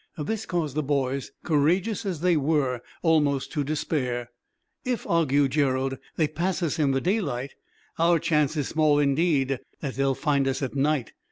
This caused the boys, courageous as they were, almost to despair. "If," argued Gerald, "they pass us in the daylight, our chance is small, indeed, that they will find us at night.